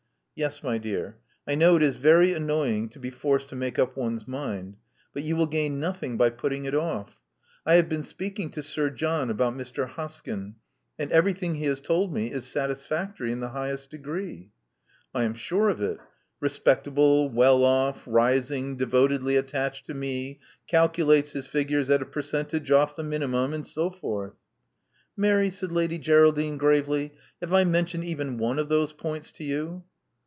"Yes, my dear, I know it is very anoying to be forced to make up one's mind. But you will gain nothing by putting it off. I have been speaking to Sir John about Mr. Hoskyn ; and everything he has told me is satisfactory in the highest degree." "I am sure of it. Respectable, well off, rising, devotedly attached to me, calculates his figures at a percentage off the minimum, and so forth." "Mary," said Lady Geraldine gravely: "have I mentioned even one of those points to you?"